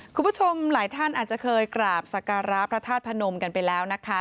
คุณผู้ชมหลายท่านอาจจะเคยกราบสการะพระธาตุพนมกันไปแล้วนะคะ